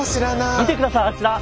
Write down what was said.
見てくださいあちら。